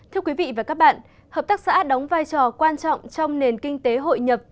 thưa quý vị và các bạn hợp tác xã đóng vai trò quan trọng trong nền kinh tế hội nhập